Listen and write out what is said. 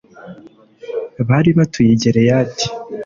bari batuye i gileyadi